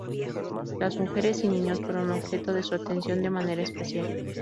Las mujeres y niños fueron objeto de su atención de manera especial.